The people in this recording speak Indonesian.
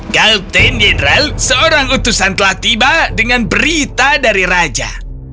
kapten general seorang utusan telah tiba dengan berita dari raja